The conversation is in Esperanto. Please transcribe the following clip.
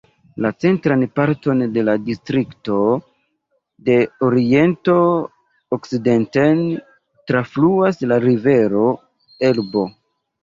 La centran parton de la distrikto de oriento okcidenten trafluas la rivero Elbo.